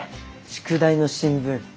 宿題の新聞